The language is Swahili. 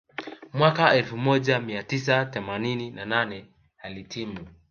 Mwaka elfu moja mia tisa themanini na nane alihitimu